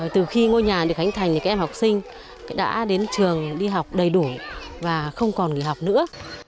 từ khi ngôi nhà được khánh thành thì các em học sinh đã đến trường đi học đầy đủ và không còn nghỉ học nữa